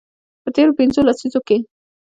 په تیرو پنځو لسیزو کې